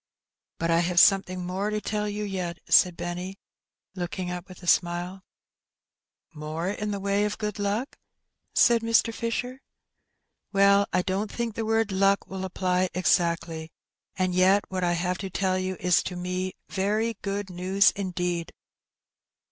"But I have something more to tell you yet," said Benny, looking up with a smile. " More in the way of good luck ?'* said Mr. Fisher. " Well, I don't think the word luck will apply exactly, and yet what I have to tell you is to me very good news indeed."